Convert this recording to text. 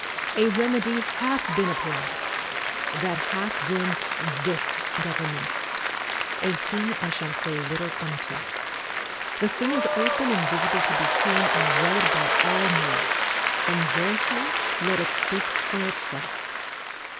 A remedy hath been applied: that hath been this government ; a thing I shall say little unto. The thing is open and visible to be seen and read by all men ; and therefore let it speak for itself.